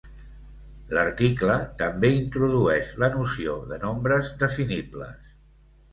L'article també introdueix la noció de nombres definibles.